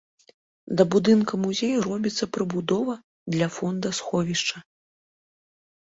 Да будынка музея робіцца прыбудова для фондасховішча.